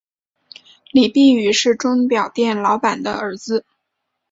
李弼雨是钟表店老板的儿子。